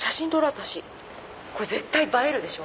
私これ絶対映えるでしょ。